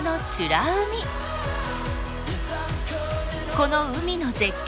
この海の絶景